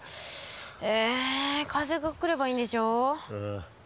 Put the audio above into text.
ええ風がくればいいんでしょ。